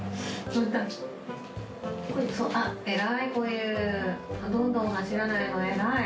どんどん走らないの偉い。